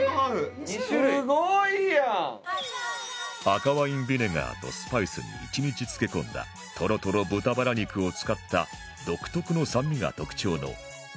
赤ワインビネガーとスパイスに１日漬け込んだとろとろ豚バラ肉を使った独特の酸味が特徴のポークビンダルー